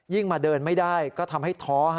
มาเดินไม่ได้ก็ทำให้ท้อ